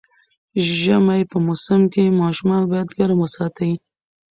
ژمی په موسم کې ماشومان باید ګرم وساتي